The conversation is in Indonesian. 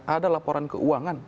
ada laporan keuangan